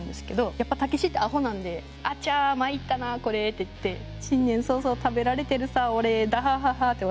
やっぱたけしってアホなんで「あっちゃまいったなこれ」って言って「新年早々食べられてるさオレだははは」って笑って。